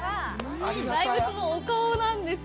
大仏のお顔なんです。